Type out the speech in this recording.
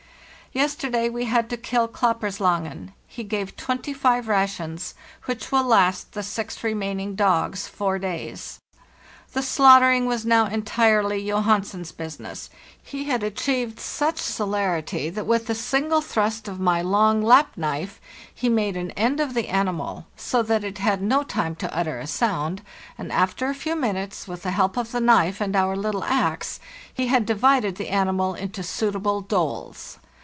Yesterday we had. to kill 'Klapperslangen. He gave twenty five rations, which will last the six remaining dogs four days. The slaughtering was now entirely Johansen's business; he had achieved such celerity that with a single thrust of my long Lapp knife he made an end of the animal, so that it had no time to utter a sound, and after a few minutes, with the help of the knife and our little axe, he had divided the animal into suitable doles.